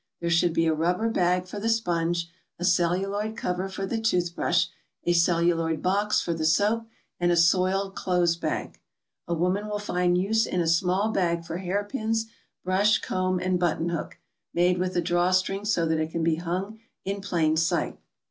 There should be a rubber bag for the sponge, a celluloid cover for the tooth brush, a celluloid box for the soap, and a soiled clothes bag. A woman will find use in a small bag for hairpins, brush, comb, and button hook, made with a draw string so that it can be hung in plain sight.